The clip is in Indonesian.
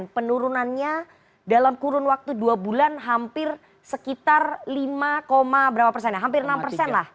penurunannya dalam kurun waktu dua bulan hampir sekitar lima berapa persen ya